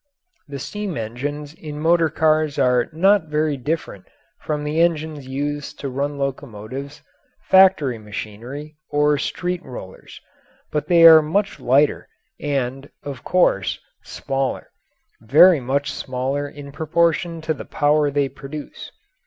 The steam engines in motor cars are not very different from the engines used to run locomotives, factory machinery, or street rollers, but they are much lighter and, of course, smaller very much smaller in proportion to the power they produce.